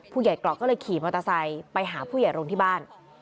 ผู้ใหญ่เกราะก็เลยขี่มอเตอร์ไซด์ไปหาผู้ใหญ่รงค์ที่บ้าน